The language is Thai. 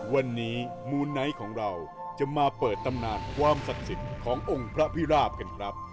วันนี้มูไนท์ของเราจะมาเปิดตำนานความศักดิ์สิทธิ์ขององค์พระพิราบกันครับ